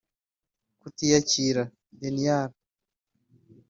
Kutiyakira (denial)